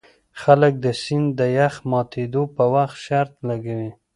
خلک د سیند د یخ ماتیدو په وخت شرط لګوي